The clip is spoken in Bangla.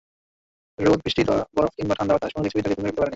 রোদ, বৃষ্টি, বরফ কিংবা ঠান্ডা বাতাস কোনো কিছুই তাকে দমিয়ে রাখতে পারেনি।